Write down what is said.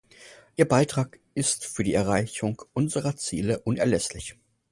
Ihr Beitrag ist für die Erreichung unserer Ziele unerlässlich.